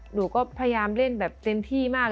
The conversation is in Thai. หนูก็พยายามเล่นแบบเต็มที่มาก